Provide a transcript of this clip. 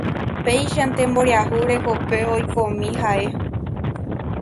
Péichante mboriahu rekópe oikomi ha'e